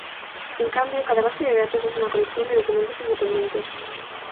En cambio, cada base de datos es una colección de documentos independientes.